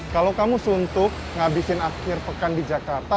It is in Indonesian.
kalau kamu suntuk ngabisin akhir pekan di jakarta